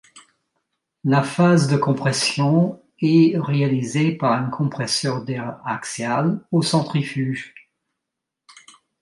La phase de compression est réalisée par un compresseur d’air axial ou centrifuge.